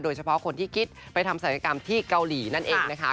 เฉพาะคนที่คิดไปทำศัลยกรรมที่เกาหลีนั่นเองนะคะ